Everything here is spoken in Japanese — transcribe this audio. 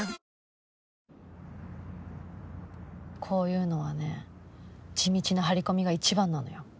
こういうのはね地道な張り込みが一番なのよ。